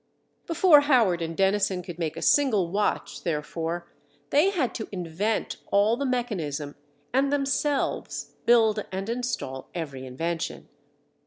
Before Howard and Dennison could make a single watch, therefore, they had to invent all the mechanism, and themselves build and install every invention.